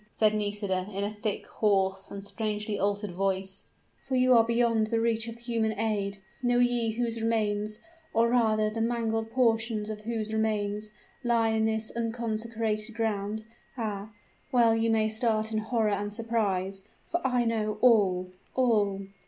said Nisida, in a thick, hoarse, and strangely altered voice, "for you are beyond the reach of human aid! Know ye whose remains or rather the mangled portions of whose remains lie in this unconsecrated ground? Ah! well may you start in horror and surprise, for I know all all!"